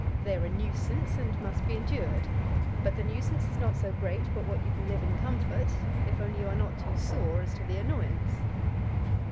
They are a nuisance and must be endured. But the nuisance is not so great but what you can live in comfort, if only you are not too sore as to the annoyance.